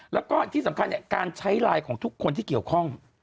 แล้วก็ที่สำคัญการใช้ไลน์ของทุกคนที่เกี่ยวข้อง